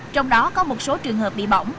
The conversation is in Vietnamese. trong đó có một số trường hợp bị bỏng